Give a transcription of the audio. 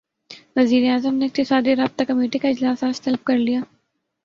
وزیراعظم نے اقتصادی رابطہ کمیٹی کا اجلاس اج طلب کرلیا